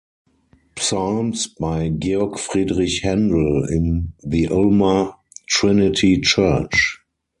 Psalms by Georg Friedrich Händel in the Ulmer Trinity Church.